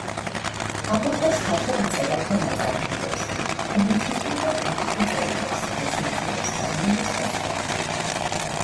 აქვეყნებს ქართველ მწერალთა ნაწარმოებებს, პუბლიცისტურ და კრიტიკულ წერილებს, რეცენზიებს, თარგმანებს და სხვა.